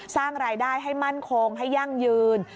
สร้างรายได้ให้มั่นคงให้ยั่งยืน